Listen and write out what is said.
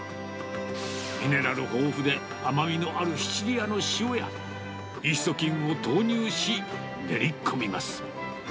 ミネラル豊富で、甘みのあるシチリアの塩や、イースト菌を投入し、練り込みます。